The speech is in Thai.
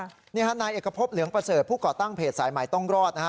นี่ฮะนายเอกพบเหลืองประเสริฐผู้ก่อตั้งเพจสายใหม่ต้องรอดนะฮะ